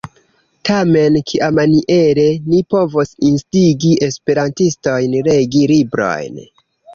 Tamen kiamaniere ni povos instigi esperantistojn legi librojn?